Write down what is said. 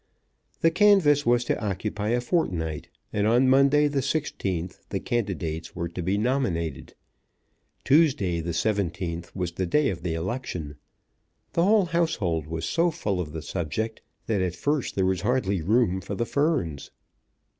The canvass was to occupy a fortnight, and on Monday the sixteenth the candidates were to be nominated. Tuesday the seventeenth was the day of the election. The whole household was so full of the subject that at first there was hardly room for the ferns.